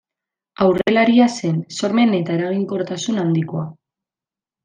Aurrelaria zen, sormen eta eraginkortasun handikoa.